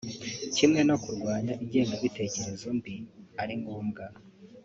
kimwe no kurwanya ingengabitekerezo mbi ari ngombwa